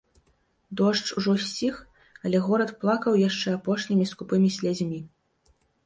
Дождж ужо сціх, але горад плакаў яшчэ апошнімі скупымі слязьмі.